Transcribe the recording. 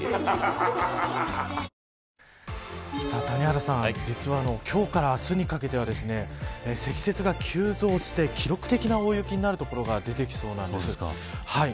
谷原さん、実は今日から明日にかけては積雪が急増して記録的な大雪になる所が出てきそうです。